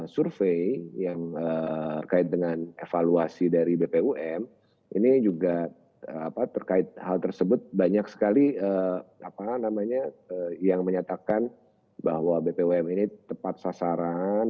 survei yang terkait dengan evaluasi dari bpom ini juga terkait hal tersebut banyak sekali yang menyatakan bahwa bpom ini tepat sasaran